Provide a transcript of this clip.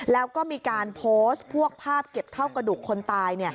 แล้วก็มีการโพสต์พวกภาพเก็บเท่ากระดูกคนตาย